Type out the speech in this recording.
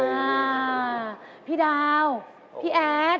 อ่าพี่ดาวพี่แอด